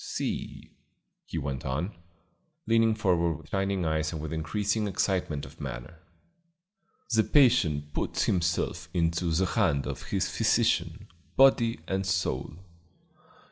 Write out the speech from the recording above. "See," he went on, leaning forward with shining eyes and with increasing excitement of manner, "the patient puts himself into the hands of his physician, body and soul.